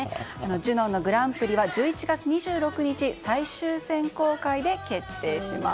ジュノンのグランプリは１１月２６日最終選考会で決定します。